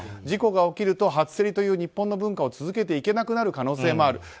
事故が起きると初競りという日本の文化を続けていけなくなる可能性もある。